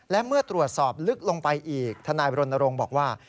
และเมื่อตรวจสอบลึกลงไปอีกท่านายบริษัทอ้างว่า